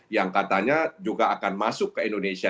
yang katanya juga akan masuk ke indonesia